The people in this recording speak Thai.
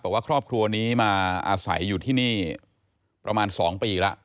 บอกว่าครอบครัวนี้มาอาศัยอยู่ที่นี่ประมาณ๒ปีแล้ว